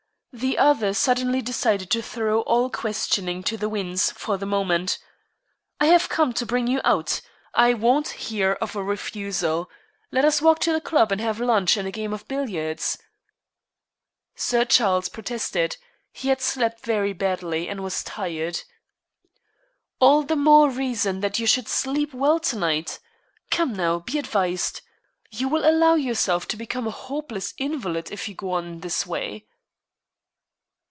The other suddenly decided to throw all questioning to the winds for the moment. "I have come to bring you out. I won't hear of a refusal. Let us walk to the club and have lunch and a game of billiards." Sir Charles protested. He had slept badly and was tired. "All the more reason that you should sleep well to night. Come, now, be advised. You will allow yourself to become a hopeless invalid if you go on in this way."